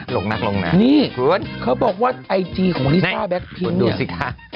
หลงนักลงน่ะนี่เค้าบอกว่าไอจีของลิซ่าแบคพิ้งเนี่ยนี่คุณดูสิค่ะ